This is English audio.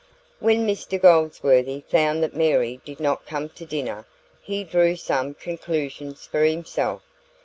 When Mr Goldsworthy found that Mary did not come to dinner, he drew some conclusions for himself.